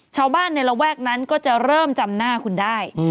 ชาวบ้านในระแวกนั้นก็จะเริ่มจำหน้าคุณได้